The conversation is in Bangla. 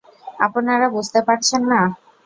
আপনারা বুঝতে পারছেন না!